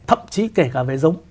thậm chí kể cả về giống